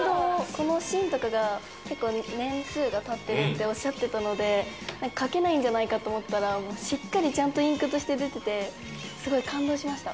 この芯とかが結構年数が経ってるっておっしゃってたので書けないんじゃないかと思ったらしっかりちゃんとインクとして出ててすごい感動しました。